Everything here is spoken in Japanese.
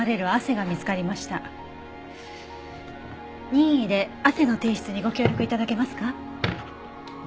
任意で汗の提出にご協力頂けますか？